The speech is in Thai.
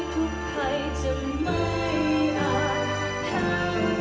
ทุกภัยจะไม่อาจแพ้